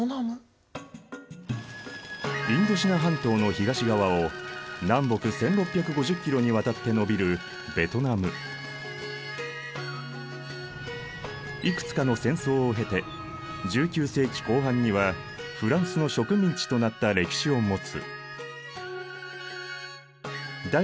インドシナ半島の東側を南北１，６５０キロにわたって延びるいくつかの戦争を経て１９世紀後半にはフランスの植民地となった歴史を持つ。